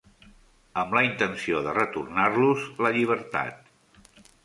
Amb la intenció de retornar-los la llibertat.